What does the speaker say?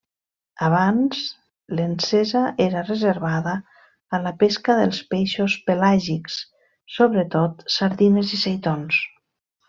Abans, l'encesa era reservada a la pesca dels peixos pelàgics, sobretot sardines i seitons.